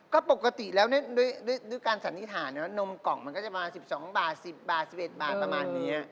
ก็ปกติแล้วด้วยการสันนิษฐานว่านมกล่องมันก็จะมา๑๒บาท๑๐บาท๑๑บาทประมาณนี้